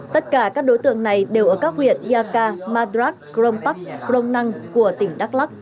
tất cả các đối tượng này đều ở các huyện yaka madrak grom pak grom nang của tỉnh đắk lắk